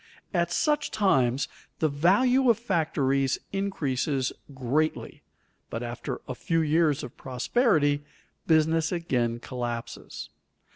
At such times the value of factories increases greatly, but after a few years of prosperity business again collapses.